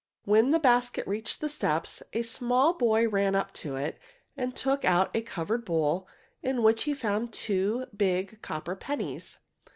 When the basket reached the steps, a small boy ran to it and took out a covered bowl in which he found two big copper pennies.